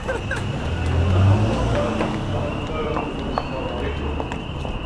لِأَنَّ حَظَّهُ عَجِيبٌ وَإِقْبَالَهُ مُسْتَغْرَبٌ